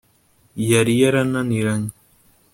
yari yarananiranye